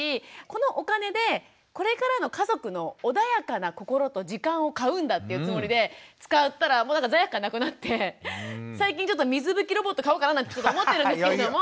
このお金でこれからの家族の穏やかな心と時間を買うんだっていうつもりで使ったらもうなんか罪悪感なくなって最近水拭きロボット買おうかななんてちょっと思ってるんですけれども。